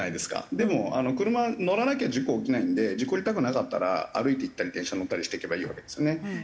でも車乗らなきゃ事故起きないんで事故りたくなかったら歩いて行ったり電車乗ったりして行けばいいわけですね。